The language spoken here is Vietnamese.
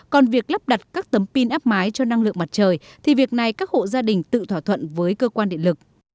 còn việc lắp đặt các tấm pin áp mái cho năng lượng mặt trời thì việc này các hộ gia đình tự thỏa thuận với cơ quan điện lực